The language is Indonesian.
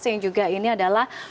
yang juga ini adalah